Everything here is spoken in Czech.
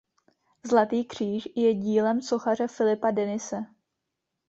Zlatý kříž je dílem sochaře Filipa Denise.